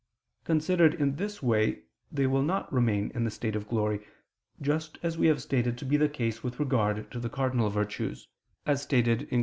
Considered in this way, they will not remain in the state of glory; just as we have stated to be the case with regard to the cardinal virtues (Q.